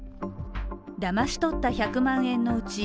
騙し取った１００万円のうち